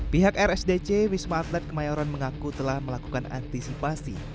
pihak rsdc wisma atlet kemayoran mengaku telah melakukan antisipasi